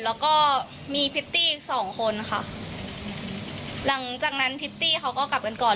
แล้วก็มีพิตตี้สองคนค่ะหลังจากนั้นพริตตี้เขาก็กลับกันก่อน